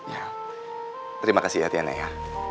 ya terima kasih ya tiana ya